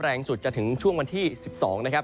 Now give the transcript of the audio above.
แรงสุดจะถึงช่วงวันที่๑๒นะครับ